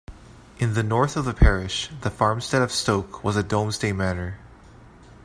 In the north of the parish, the farmstead of Stoke was a Domesday manor.